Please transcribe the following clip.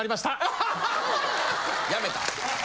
やめた。